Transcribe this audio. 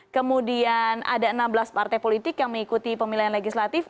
kemudian ada enam belas partai politik yang mengikuti pemilihan legislatif